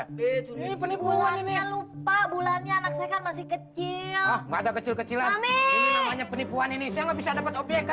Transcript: itu ini penipuan ini lupa bulannya masih kecil kecilan penipuan ini bisa dapat objek